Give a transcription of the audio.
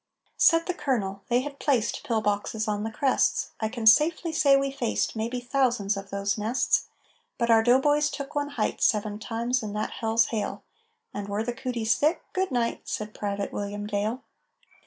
_ Said the Colonel: "They had placed Pillboxes on the crests. I can safely say we faced Maybe thousands of those nests. But our doughboys took one height Seven times in that hell's hail." _"And were the cooties thick? Good night!" Said Private William Dale.